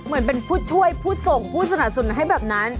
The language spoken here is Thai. เหมือนเป็นผู้ช่วยผู้ส่งผู้สนับสนุนให้แบบนั้น